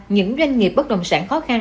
những doanh nghiệp bất động sản khó khăn